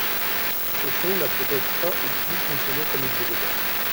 Ce fonds n’a peut-être pas ou plus fonctionné comme il le devait.